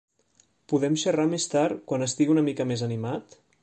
Podem xerrar més tard quan estigui una mica més animat?